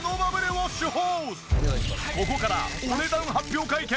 ここからお値段発表会見。